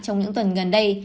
trong những tuần gần đây